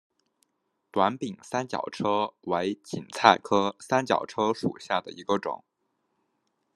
短柄三角车为堇菜科三角车属下的一个种。